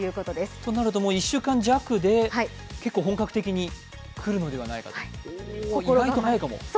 となるともう１週間弱で結構本格的に来るのではないかと、意外と早いかも。